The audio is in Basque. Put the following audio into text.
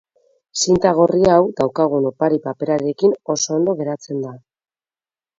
Zinta gorri hau daukagun opari-paperarekin oso ondo geratzen da.